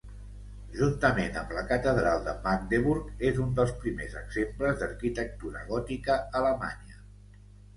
Juntament amb la Catedral de Magdeburg és un dels primers exemples d'arquitectura gòtica alemanya.